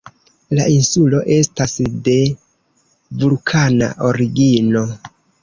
La insulo estas de vulkana origino.